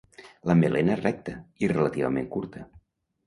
La melena és recta i relativament curta.